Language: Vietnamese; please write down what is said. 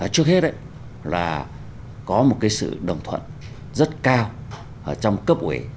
trước hết là có một sự đồng thuận rất cao trong cấp ủy